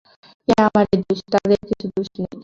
এ আমারই দোষ, তাদের কিছু দোষ নেই।